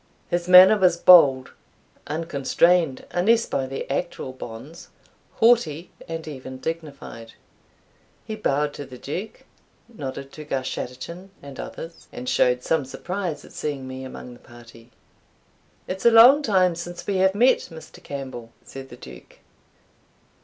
His manner was bold, unconstrained unless by the actual bonds, haughty, and even dignified. He bowed to the Duke, nodded to Garschattachin and others, and showed some surprise at seeing me among the party. "It is long since we have met, Mr. Campbell," said the Duke.